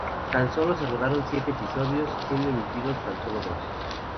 Tan sólo se rodaron siete episodios, siendo emitidos tan solo dos.